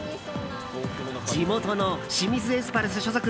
地元の清水エスパルス所属